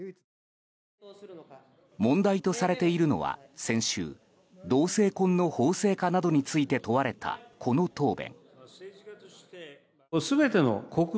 問題とされているのは先週同性婚の法制化などについて問われた、この答弁。